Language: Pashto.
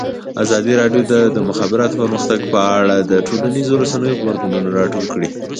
ازادي راډیو د د مخابراتو پرمختګ په اړه د ټولنیزو رسنیو غبرګونونه راټول کړي.